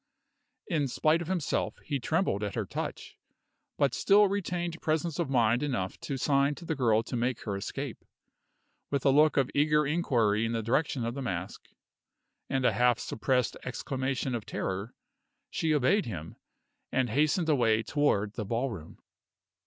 In spite of himself, he trembled at her touch, but still retained presence of mind enough to sign to the girl to make her escape. With a look of eager inquiry in the direction of the mask, and a half suppressed exclamation of terror, she obeyed him, and hastened away toward the ballroom.